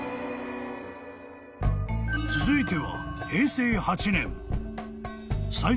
［続いては］